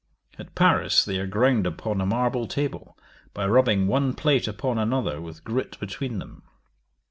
At Paris they are ground upon a marble table, by rubbing one plate upon another with grit between them.